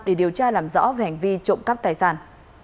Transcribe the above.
để điều tra làm rõ về hành vi trộm cắp tài sản